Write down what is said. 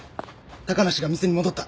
高梨が店に戻った。